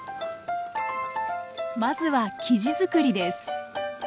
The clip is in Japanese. まずは生地づくりです。